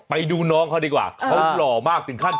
ไปดูน้องเขาดีกว่า